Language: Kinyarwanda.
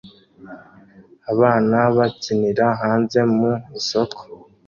Abana bakinira hanze mu isoko